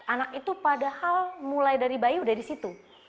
anak itu padahal mulai dari bayi udah di situ